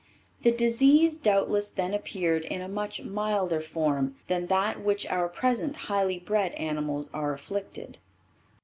The disease doubtless then appeared in a much milder form than that with which our present highly bred animals are afflicted.